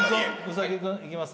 兎君いきます